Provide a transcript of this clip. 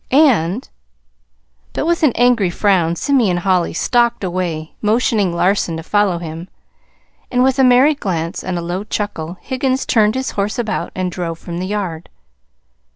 And " But with an angry frown Simeon Holly stalked away, motioning Larson to follow him; and with a merry glance and a low chuckle Higgins turned his horse about and drove from the yard.